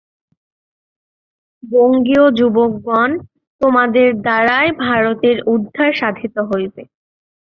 বঙ্গীয় যুবকগণ, তোমাদের দ্বারাই ভারতের উদ্ধার সাধিত হইবে।